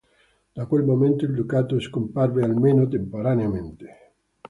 Da quel momento il ducato scomparve, almeno temporaneamente.